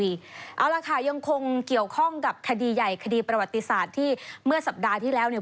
เอาล่ะค่ะยังคงเกี่ยวข้องกับคดีใหญ่คดีประวัติศาสตร์ที่เมื่อสัปดาห์ที่แล้วเนี่ย